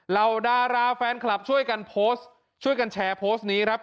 เหล่าดาราแฟนคลับช่วยกันโพสต์ช่วยกันแชร์โพสต์นี้ครับ